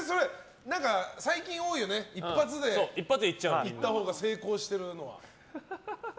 最近多いよね、一発でいったほうが成功してるのは。